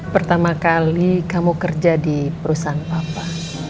pertama kali kamu kerja di perusahaan papa